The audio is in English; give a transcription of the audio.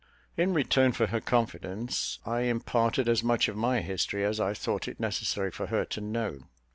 In return for her confidence, I imparted as much of my history as I thought it necessary for her to know.